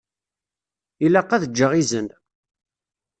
Ilaq ad ǧǧeɣ izen.